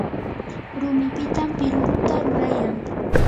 rumipitam piruruta rurayan.